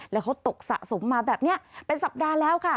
แล้วเขาตกสะสมมาแบบนี้เป็นสัปดาห์แล้วค่ะ